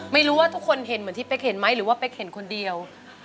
ไม่รู้ว่าทุกคนเห็นเหมือนที่เป๊กเห็นไหมหรือว่าเป๊กเห็นคนเดียว